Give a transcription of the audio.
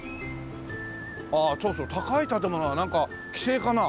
ああそうそう高い建物はなんか規制かな？